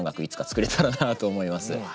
いつか作れたらなと思います。